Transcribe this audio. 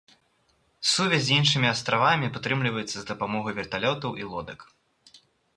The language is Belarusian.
Сувязь з іншымі астравамі падтрымліваецца з дапамогай верталётаў і лодак.